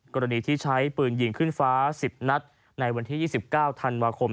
กรณีที่ใช้ปืนยิงขึ้นฟ้า๑๐นัดในวันที่๒๙ธันวาคม